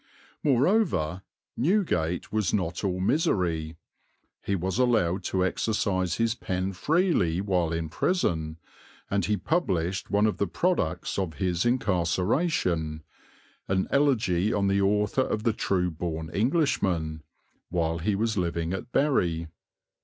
Moreover, Newgate was not all misery. He was allowed to exercise his pen freely while in prison, and he published one of the products of his incarceration, "An Elegy on the Author of the True born Englishman," while he was living at Bury.